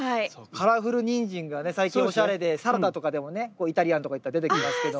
カラフルニンジンがね最近おしゃれでサラダとかでもねイタリアンとか行ったら出てきますけど。